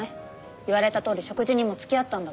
言われたとおり食事にも付き合ったんだから。